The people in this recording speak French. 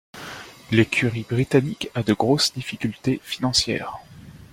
L'écurie britannique a de grosses difficultés financières.